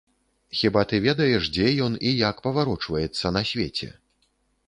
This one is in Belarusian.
Хіба ты ведаеш, дзе ён і як паварочваецца на свеце?